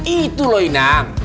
itu loh inam